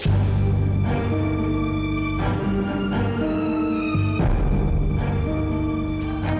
akan ketahuan semuanya